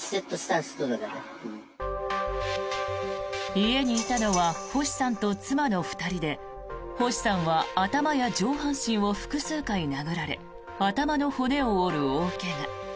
家にいたのは星さんと妻の２人で星さんは頭や上半身を複数回殴られ頭の骨を折る大怪我。